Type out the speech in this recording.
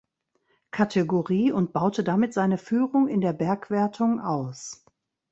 Kategorie und baute damit seine Führung in der Bergwertung aus.